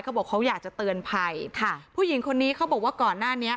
เขาบอกเขาอยากจะเตือนภัยค่ะผู้หญิงคนนี้เขาบอกว่าก่อนหน้านี้